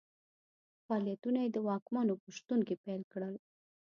فعالیتونه یې د واکمنو په شتون کې پیل کړل.